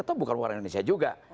atau bukan warga indonesia juga